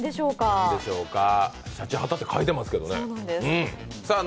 シャチハタって書いてありますけどね。